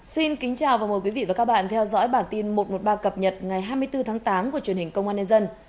xin kính chào và mời quý vị và các bạn theo dõi bản tin một trăm một mươi ba cập nhật ngày hai mươi bốn tháng tám của truyền hình công an nhân dân